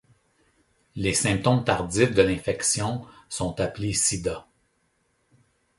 Les symptômes tardifs de l'infection sont appelés sida.